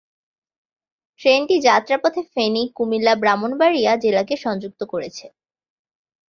ট্রেনটি যাত্রাপথে ফেনী, কুমিল্লা, ব্রাহ্মণবাড়িয়া জেলাকে সংযুক্ত করেছে।